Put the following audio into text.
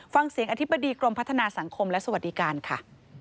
ฟังเสียงอธิบดีกรมพัฒนาสังคมและสวัสดิการค่ะ